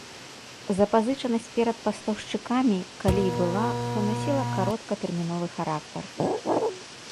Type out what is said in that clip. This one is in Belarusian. Запазычанасць перад пастаўшчыкамі, калі і была, то насіла кароткатэрміновы характар.